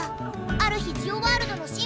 ある日ジオワールドのシンボル